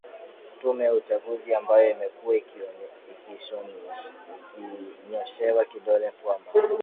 tume ya uchaguzi ambayo imekuwa ikinyoshewa kidole kwamba